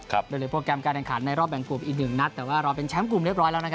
กับโปรแกรมการแรงขาดในรอบแบ่งกลุ่มอีกหนึ่งแต่ว่าเราเป็นแชมป์กลุ่มเรียบร้อยแล้ว